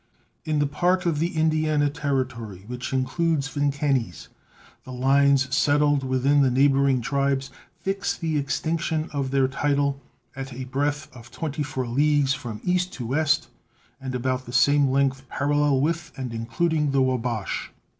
In that part of the Indiana Territory which includes Vincennes the lines settled with the neighboring tribes fix the extinction of their title at a breadth of 24 leagues from east to west and about the same length parallel with and including the Wabash.